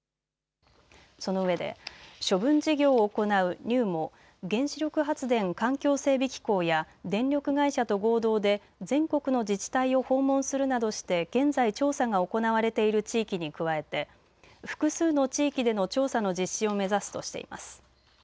そのうえで処分事業を行うＮＵＭＯ・原子力発電環境整備機構や電力会社と合同で全国の自治体を訪問するなどして現在調査が行われている地域に加えて複数の地域での調査の実施を目指すとしています。